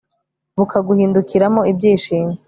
bukaguhindukiramo ibyishimo